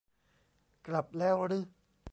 กลับแล้วรึ